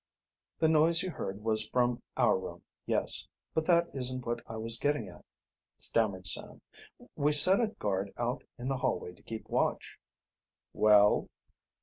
"The noise you heard was from our room, yes. But that isn't what I was getting at," stammered Sam. "We set a guard out in the hallway to keep watch." "Well?"